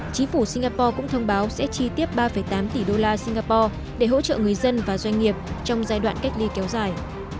chính phủ singapore cũng thông báo sẽ chi tiếp ba tám tỷ đô la singapore để hỗ trợ người dân và doanh nghiệp trong giai đoạn cách ly kéo dài